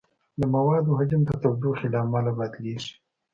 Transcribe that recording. د موادو حجم د تودوخې له امله بدلېږي.